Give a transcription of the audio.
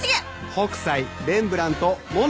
北斎レンブラントモネ！